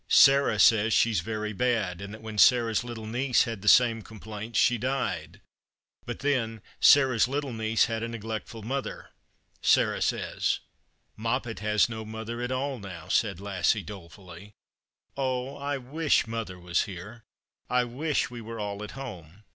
Sarah says she's very bad, and that 224 The Christmas Hirelings. when Sarah's little niece had the same complaint she died ; but then Sarah's little niece had a neglectful mother, Sarah says." " Moppet has no mother at all now," said Lassie, dole fully. " Oh, I wish mother was here ! I wish we were all at home.